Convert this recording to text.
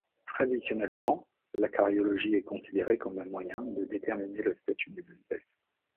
Traditionnellement, la caryologie est considérée comme un moyen de déterminer le statut des espèces.